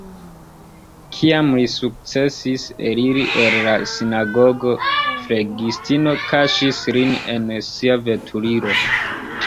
Kiam li sukcesis eliri el la sinagogo, flegistino kaŝis lin en sia veturilo.